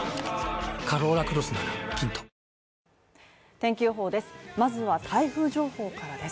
天気予報です。